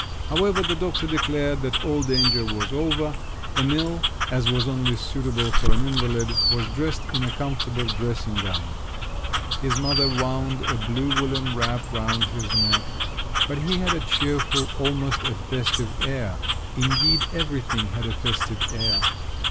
However, the doctor declared that all danger was over. Emil, as was only suitable for an invalid, was dressed in a comfortable dressing gown; his mother wound a blue woollen wrap round his neck; but he had a cheerful, almost a festive air; indeed everything had a festive air.